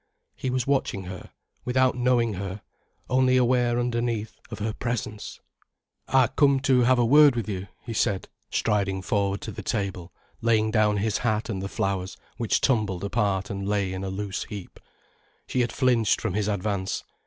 He was watching her, without knowing her, only aware underneath of her presence. "I come to have a word with you," he said, striding forward to the table, laying down his hat and the flowers, which tumbled apart and lay in a loose heap. She had flinched from his advance.